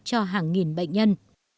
cho hàng nghìn bệnh nhân